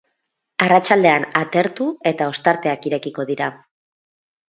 Arratsaldean atertu eta ostarteak irekiko dira.